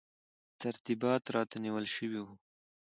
ترتیبات راته نیول شوي وو.